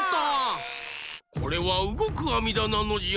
これはうごくあみだなのじゃ。